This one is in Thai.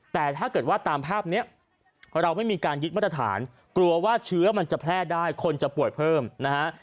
แต่ถ้าเกิดว่าตามภาพนี้เราไม่มีการยึดมาตรฐานกลัวว่าเชื้อมันจะแพร่ได้คนจะป่วยเพิ่มนะฮะ